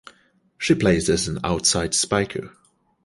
She plays as an outside spiker.